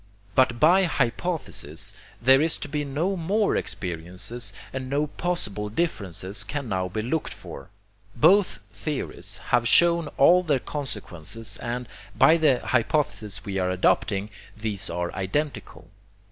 But by hypothesis there is to be no more experience and no possible differences can now be looked for. Both theories have shown all their consequences and, by the hypothesis we are adopting, these are identical.